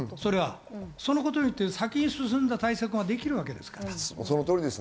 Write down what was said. それによって先に進んだ対策ができるわけですから。